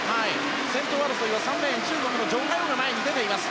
先頭争いは３レーン中国のジョ・カヨが出ています。